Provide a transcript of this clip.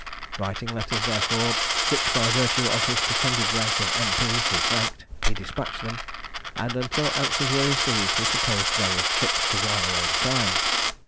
Writing letters, therefore, which by virtue of his pretended rank of M.P. he franked, he despatched them, and until answers were received, he proposed various trips to while away the time.